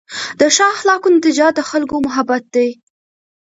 د ښه اخلاقو نتیجه د خلکو محبت دی.